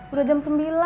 udah jam sembilan